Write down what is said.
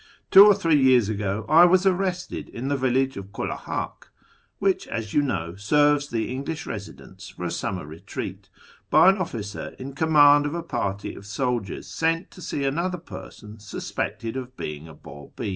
Two or three years ago I was arrested in the village of Kulahak (which, as you know, serves the English residents for a summer retreat) by an officer in command of a party of soldiers sent to seize another person suspected of being a Babi.